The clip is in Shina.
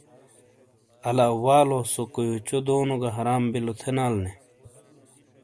الا والو سو کویوچو دونوں گہ حرام بیلو تھینالے نے ۔